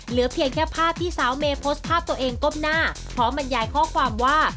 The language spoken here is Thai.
เหลือเพียงแค่ภาพที่สาวเมย์โพสต์ภาพตัวเองก้มหน้าพร้อมบรรยายข้อความว่า